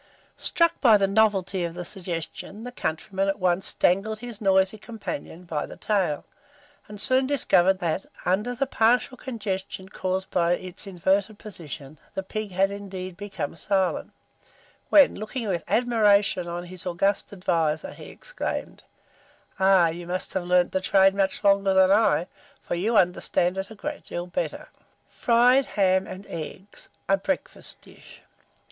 Struck by the novelty of the suggestion, the countryman at once dangled his noisy companion by the tail, and soon discovered that, under the partial congestion caused by its inverted position, the pig had indeed become silent; when, looking with admiration on his august adviser, he exclaimed, "Ah, you must have learned the trade much longer than I, for you understand it a great deal better." FRIED HAM AND EGGS (a Breakfast Dish).